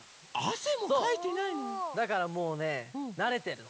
そうだからもうねなれてるの。